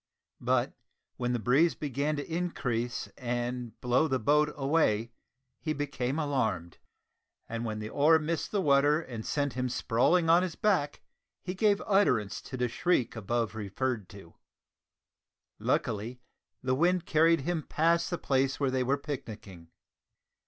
But when the breeze began to increase and blow the boat away he became alarmed; and when the oar missed the water and sent him sprawling on his back, he gave utterance to the shriek above referred to. Luckily the wind carried him past the place where they were picnicking.